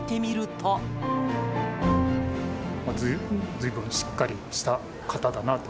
ずいぶんしっかりした方だなと。